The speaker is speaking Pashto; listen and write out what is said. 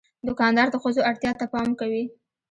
دوکاندار د ښځو اړتیا ته پام کوي.